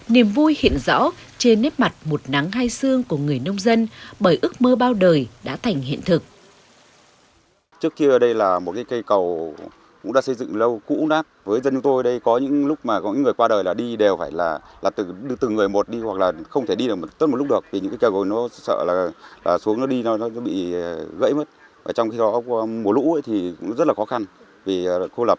niềm vui hiện rõ trên nếp mặt một nắng hai xương của người nông dân bởi ước mơ bao đời đã thành hiện thực